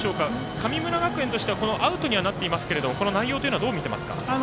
神村学園としてはアウトにはなっていますが内容というのはどう見ていますか。